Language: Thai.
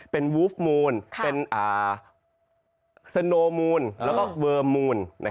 เป็นวูฟมูลเป็นสโนมูลแล้วก็เวอร์มูล